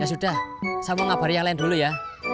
ya sudah saya mau ngabari yang lain dulu ya